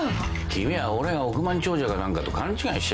君は俺が億万長者か何かと勘違いしてないか？